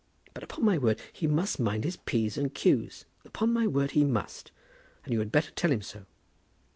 But upon my word he must mind his p's and q's; upon my word he must; and you had better tell him so."